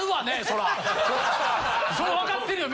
それ分かってるよ